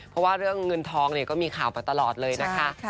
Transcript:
เพราะว่าเรื่องเงินทองเนี่ยก็มีข่าวไปตลอดเลยนะคะ